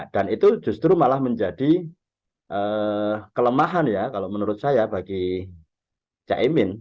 dan itu justru malah menjadi kelemahan ya kalau menurut saya bagi chad imin